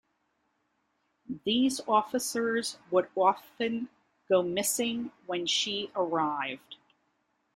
These officers would often go missing when she arrived.